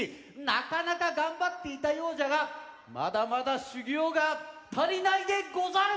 なかなかがんばっていたようじゃがまだまだしゅぎょうがたりないでござる！